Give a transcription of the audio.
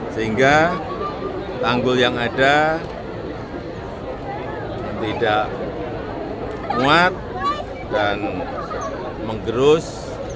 sehingga tanggul yang ada tidak muat dan menggerus